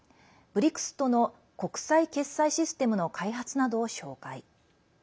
ＢＲＩＣＳとの国際決済システムの開発などを紹介。